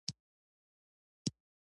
سپي ښه حافظه لري.